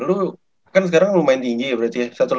lu kan sekarang lumayan tinggi ya berarti ya